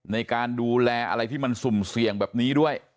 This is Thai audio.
ในการดูแลอะไรที่มันสุ่มเสี่ยงแบบนี้ด้วย